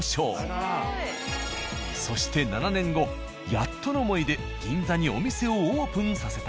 そして７年後やっとの思いで銀座にお店をオープンさせた。